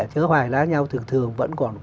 chớ hoài lá nhau thường thường vẫn còn